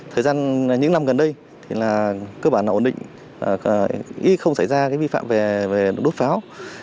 thời gian những năm gần đây cơ bản là ổn định không xảy ra vi phạm về đốt pháo